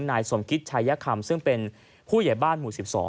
นายสมคิตชายคำซึ่งเป็นผู้ใหญ่บ้านหมู่๑๒